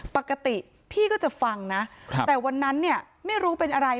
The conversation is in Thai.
ปกติพี่ก็จะฟังนะแต่วันนั้นเนี่ยไม่รู้เป็นอะไร